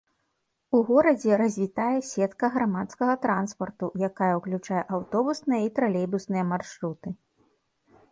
У горадзе развітая сетка грамадскага транспарту, якая ўключае аўтобусная і тралейбусныя маршруты.